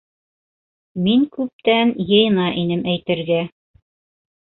- Мин күптән йыйына инем әйтергә.